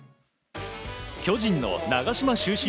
巨人の長嶋終身